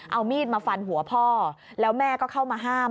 เอามีดมาฟันหัวพ่อแล้วแม่ก็เข้ามาห้าม